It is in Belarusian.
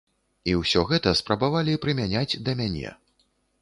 І ўсё гэта спрабавалі прымяняць да мяне.